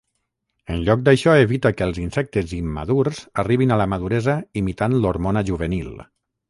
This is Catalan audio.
En lloc d'això evita que els insectes immadurs arribin a la maduresa imitant l'hormona juvenil.